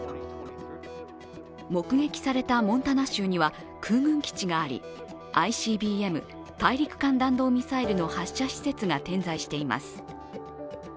目撃されたモンタナ州には空軍基地があり、ＩＣＢＭ＝大陸間弾道ミサイルの発射施設が点在しています。